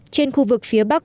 trên khu vực phía bắc